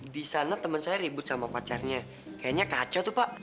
di sana teman saya ribut sama pacarnya kayaknya kacau tuh pak